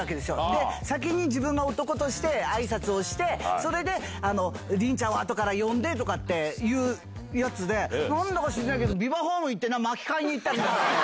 で、先に自分が男として、あいさつをして、それで、凛ちゃんをあとから呼んでとかっていうやつで、なんだか知らないけど、ビバホーム行って、まき買いに行ったんだよ。